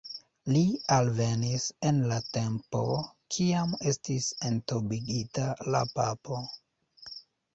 Li alvenis en la tempo, kiam estis entombigita la papo.